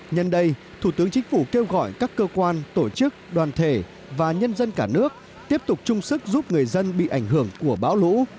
nhân đây thủ tướng chính phủ kêu gọi các cơ quan tổ chức đoàn thể và nhân dân cả nước tiếp tục chung sức giúp người dân bị ảnh hưởng của bão lũ